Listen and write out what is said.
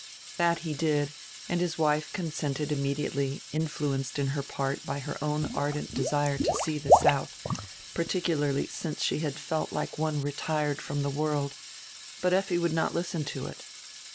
That he did, and his wife consented immediately, in fluenced in part by her own ardent desire to see die soudi, particularly since she had felt like one retired from die world. But Effi would not listen to it.